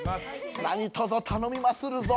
何とぞ頼みまするぞ。